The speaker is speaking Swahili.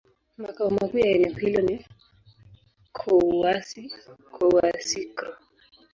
Makao makuu ya eneo hilo ni Kouassi-Kouassikro.